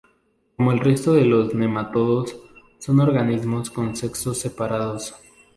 Como el resto de los nematodos son organismos con sexos separados.